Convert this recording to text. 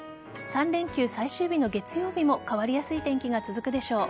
３連休最終日の月曜日も変わりやすい天気が続くでしょう。